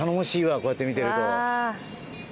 こうやって見てると。